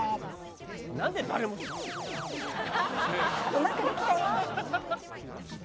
うまくできたよ！